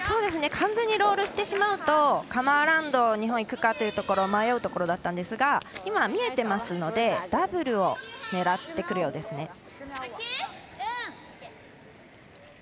完全にロールしてしまうとカムアラウンドに日本いくかというところを迷うところだったんですが見えていますのでダブルを狙ってくるようですね。